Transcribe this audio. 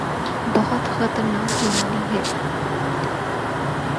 بہت خطرناک بیماری ہے۔